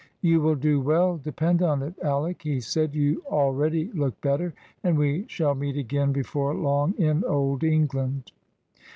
"You will do well, depend on it, Alick," he said. "You already look better, and we shall meet again before long in old England."